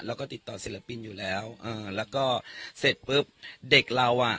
แล้วก็ติดต่อศิลปินอยู่แล้วอ่าแล้วก็เสร็จปุ๊บเด็กเราอ่ะ